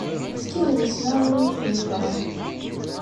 Efk idlisen-a i win i ten-yebɣan.